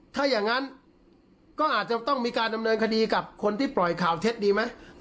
ถ้าอย่างนั้นก็อาจจะต้องมีการดำเนินคดีกับคนที่ปล่อยข่าวเท็จดีไหม